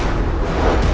aku akan menang